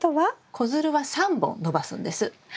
子づるは３本伸ばすんです。